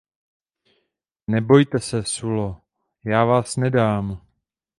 Nebojte se, Sullo, já vás nedám!